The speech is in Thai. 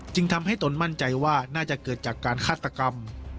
ทำให้ตนมั่นใจว่าน่าจะเกิดจากการฆาตกรรม